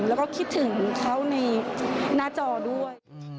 แล้วก็คิดถึงเขาในหน้าจอด้วย